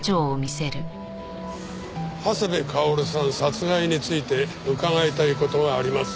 長谷部薫さん殺害について伺いたい事があります。